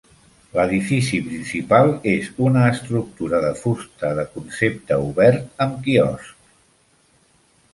L'edifici principal és una estructura de fusta de concepte obert amb quioscs.